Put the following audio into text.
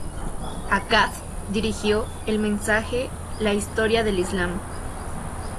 Akkad dirigió ""El mensaje: La historia del Islam"".